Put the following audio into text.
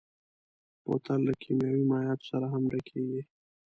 بوتل له کيمیاوي مایعاتو سره هم ډکېږي.